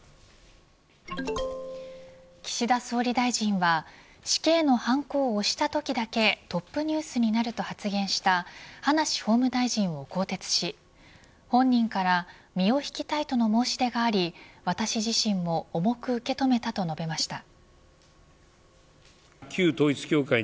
岸田総理大臣は死刑のハンコを押したときだけトップニュースになると発言した葉梨法務大臣を更迭し本人から身を引きたいとの申し出があり私自身も重く受け止めたと述べました。